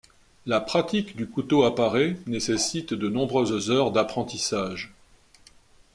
La pratique du couteau à parer nécessite de nombreuses heures d'apprentissage.